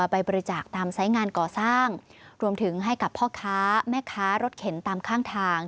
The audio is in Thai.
ไปบริจาคตามไซส์งานก่อสร้างรวมถึงให้กับพ่อค้าแม่ค้ารถเข็นตามข้างทาง